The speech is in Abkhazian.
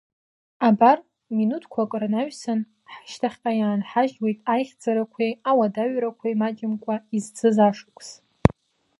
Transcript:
Абар, минутқәак рнаҩсан, ҳашьҭахьҟа иаанҳажьуеит аихьӡарақәеи, ауадаҩрақәеи маҷымкәа изцыз ашықәс.